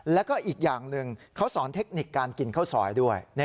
แล้วก็อีกอย่างหนึ่งเขาสอนเทคนิคการกินข้าวซอยด้วย